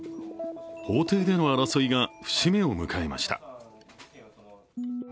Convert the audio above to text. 法廷での争いが節目を迎えました。